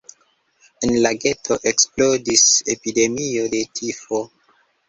En la geto eksplodis epidemio de tifo.